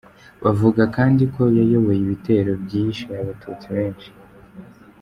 Bavuga kandi ko yayoboye ibitero byishe abatutsi benshi.